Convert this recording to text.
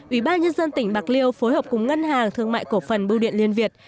ủy ban nhân dân tỉnh bạc liêu phối hợp cùng ngân hàng thương mại cổ phần bưu điện liên việt